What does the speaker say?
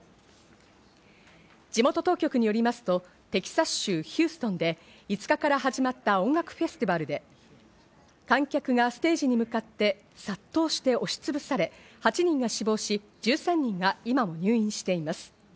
地元当局によりますと、テキサス州ヒューストンで５日から始まった音楽フェスティバルで、観客がステージに向かって殺到して押しつぶされ、８人が死亡し、１３人が今も入院しています。